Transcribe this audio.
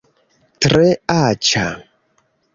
Tre aĉa